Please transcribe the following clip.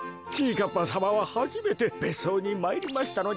かっぱさまははじめてべっそうにまいりましたのじゃ。